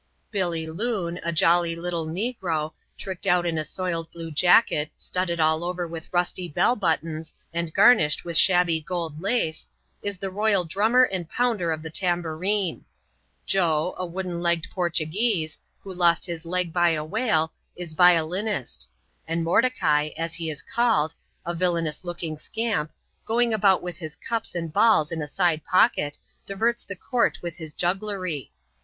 Billy Loon, a jolly little negro, tricked out in a soiled blue jacket, studded adl over with rusty bell buttons, and gamiabed with shabby gold lace, is the royal drummer and pounder of the tamhourine, Joe, a wooden legged Portuguese, who krt Jds leg by a whale, is vioTimat , aii^l&$st^««», %& V^ *^ vaSk^ csAP, £X¥.] THE HEOnt A, OR FLIGHT. 44i a viQanous lookiiig scamp, going about with his cops and baUt in a side pockety diverts tlKi conrt with his jngglerj.